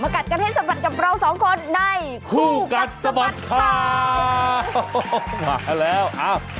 กัดกันให้สะบัดกับเราสองคนในคู่กัดสะบัดข่าวมาแล้วอ้าว